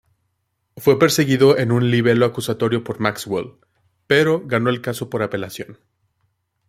Fue perseguido en un libelo acusatorio por Maxwell, pero ganó el caso por apelación.